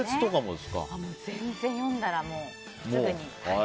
全然、読んだらすぐに。